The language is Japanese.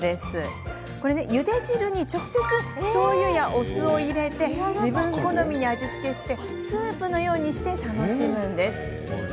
ゆで汁に直接しょうゆやお酢を入れて自分好みに味付けしてスープのように楽しむんです。